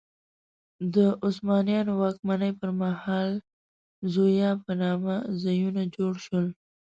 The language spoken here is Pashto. د عثمانیانو واکمنۍ پر مهال زوايا په نامه ځایونه جوړ شول.